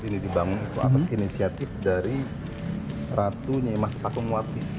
jadi ini dibangun itu atas inisiatif dari ratunya mas pakung wati